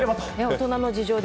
大人の事情で。